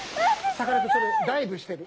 さかなクンそれダイブしてる。